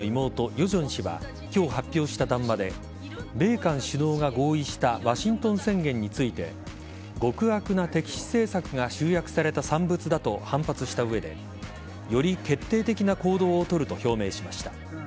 北朝鮮の金正恩総書記の妹ヨジョン氏は今日発表した談話で米韓首脳が合意したワシントン宣言について極悪な敵視政策が集約された産物だと反発した上でより決定的な行動を取ると表明しました。